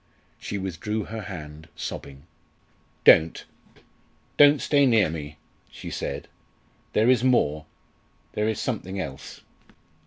She withdrew her hand, sobbing. "Don't, don't stay near me!" she said; "there is more there is something else."